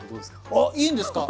あっいいんですか？